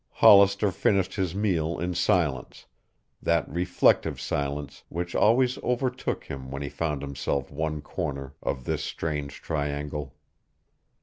Hollister finished his meal in silence, that reflective silence which always overtook him when he found himself one corner of this strange triangle.